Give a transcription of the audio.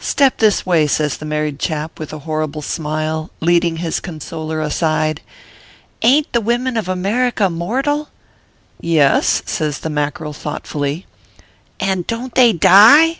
Step this way," says the. married chap, with a horrible smile, leading his consoler aside, "ain t the women of America mortal ?"" Yes," says the Mackerel thoughtfully. "And don t they die?"